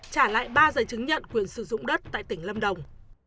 trả lại ba giấy chứng nhận quyền sử dụng đất tại tp đà lạt tỉnh lâm đồng